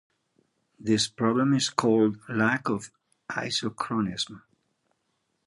This problem is called lack of isochronism.